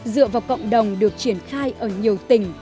dựa vào cộng đồng được triển khai ở nhiều tỉnh